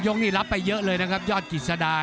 นี่รับไปเยอะเลยนะครับยอดกิจสดา